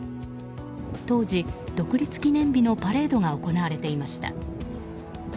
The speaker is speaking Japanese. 当時、独立記念日のパレードが行われていました。